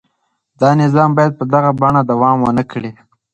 دا نظام باید په دغه بڼه دوام ونه کړي.